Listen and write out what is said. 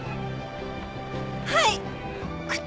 はい！